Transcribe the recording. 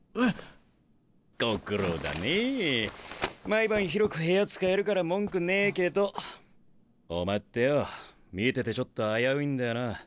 毎晩広く部屋使えるから文句ねえけどお前ってよぉ見ててちょっと危ういんだよな。